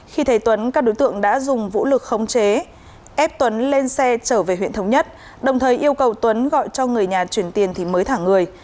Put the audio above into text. khi thấy tuấn các đối tượng đã dùng vũ lực khống chế ép tuấn lên xe trở về huyện thống nhất đồng thời yêu cầu tuấn gọi cho người nhà chuyển tiền thì mới thả người